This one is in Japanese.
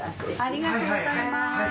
ありがとうございます。